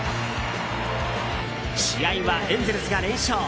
試合はエンゼルスが連勝。